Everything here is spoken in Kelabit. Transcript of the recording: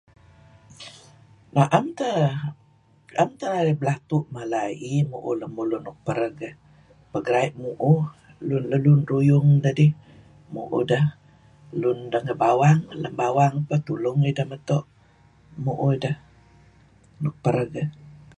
Na'em teh, 'em teh narih belatu' mala iih mu'uh ideh nuk pereg iih. Pegeraey' mu'uh, lun ruyung dedih, mu'uh deh. Lun lem bawang peh tulung ideh meto', mu'uh ideh nuk pereg iih.